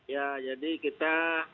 ya jadi kita